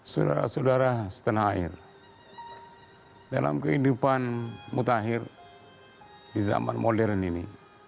saudara saudara setanah air dalam kehidupan mutakhir di zaman modern ini